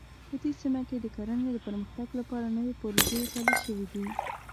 په دې سیمه کې د کرنې د پرمختګ لپاره نوې پروژې پلې شوې دي